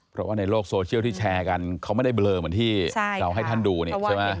เพราะว่าในโลกโซเชียลที่แชร์กันเขาไม่ได้เบลอเหมือนที่เราให้ท่านดูนี่ใช่ไหม